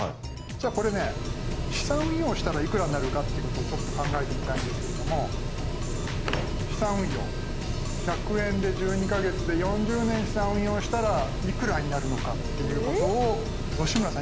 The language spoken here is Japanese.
じゃあこれね資産運用したらいくらになるかっていうことをちょっと考えてみたいんですけれども資産運用１００円で１２か月で４０年資産運用したらいくらになるのかっていうことを吉村さん